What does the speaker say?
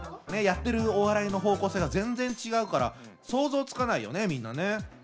やってるお笑いの方向性が全然違うから想像つかないよねみんなね。